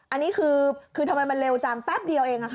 อันนี้คือทำไมมันเร็วจังแป๊บเดียวเอง